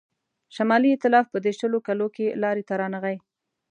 شمالي ایتلاف په دې شلو کالو کې لاري ته رانغی.